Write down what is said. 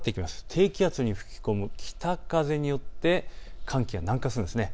低気圧に吹き込む北風に乗って寒気が南下するんです。